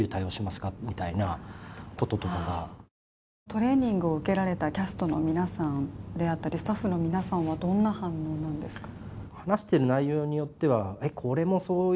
トレーニングを受けられたキャストの皆さんであったりスタッフの皆さんはどんな反応なんですか？